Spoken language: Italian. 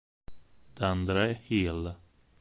D'Andre Hill